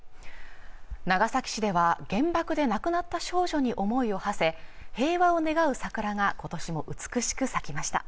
長崎市では原爆で亡くなった少女に思いをはせ平和を願う桜が今年も美しく咲きました